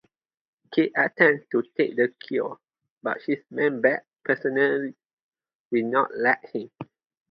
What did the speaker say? Kirk attempts to take the cure, but his Man-Bat persona will not let him.